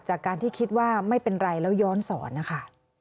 จากการที่คิดว่าไม่เป็นไรแล้วย้อนสอนนะคะ